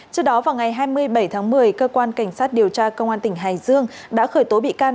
trước đó vào ngày hai mươi bảy tháng một mươi cơ quan cảnh sát điều tra công an tỉnh hải dương đã khởi tố bị can